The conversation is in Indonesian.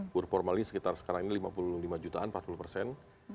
buruh formal ini sekitar sekarang ini lima puluh lima jutaan empat puluh persen